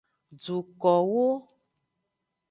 Dukowo.